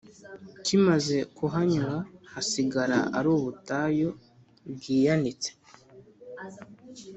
kimaze kuhanyura, hasigara ari ubutayu bwiyanitse.